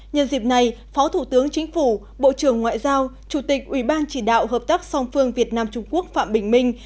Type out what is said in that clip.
nhân dịp này phó thủ tướng chính phủ bộ trưởng ngoại giao chủ tịch ủy ban chỉ đạo hợp tác song phương việt nam trung quốc phạm bình minh